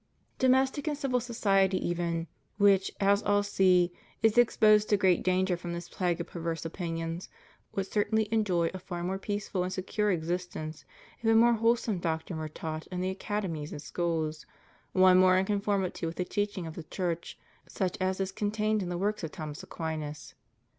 Domestic and civil society even, wliich, as all see, is exposed to great danger from this plague of perveree opinions, would certainly enjoy a far more peaceful and secure existence if a more wholesome doctrine were taught in the academies and schools — one more in conformity with the teaching of the Church, such as is contained in the works of Thomas Aquinas.